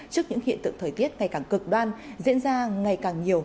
trước những hiện tượng thời tiết ngày càng cực đoan diễn ra ngày càng nhiều